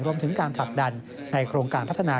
รวมถึงการผลักดันในโครงการพัฒนา